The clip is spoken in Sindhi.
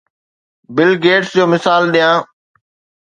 بل گيٽس جو مثال ڏيان.